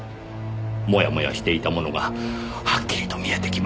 もやもやしていたものがはっきりと見えてきました。